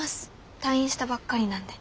退院したばっかりなんで。